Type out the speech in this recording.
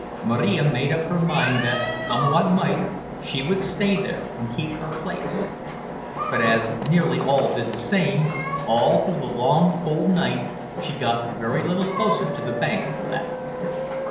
Marija made up her mind that, come what might, she would stay there and keep her place; but as nearly all did the same, all through the long, cold night, she got very little closer to the bank for that.